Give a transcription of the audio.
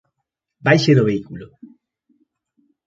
Baixe do vehículo!